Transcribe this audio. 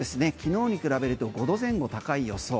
昨日に比べると５度前後高い予想。